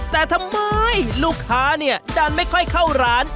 แต่ทำไมลูกค้าเนี่ยดันไม่ค่อยเข้าร้าน